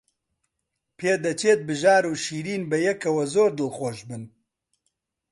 پێدەچێت بژار و شیرین بەیەکەوە زۆر دڵخۆش بن.